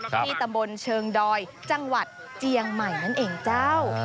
ที่ตำบลเชิงดอยจังหวัดเจียงใหม่นั่นเองเจ้า